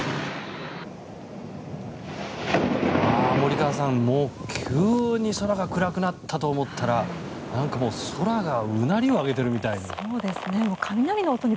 森川さん、もう急に空が暗くなったと思ったら空がうなりを上げているみたいに。